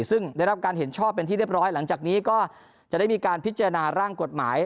ซึ่งได้รับการเห็นชอบเป็นที่เรียบร้อยหลังจากนี้ก็จะได้มีการพิจารณาร่างกฎหมาย